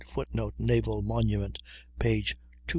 [Footnote: "Naval Monument," p. 235.